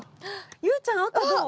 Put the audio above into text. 裕ちゃん赤どう？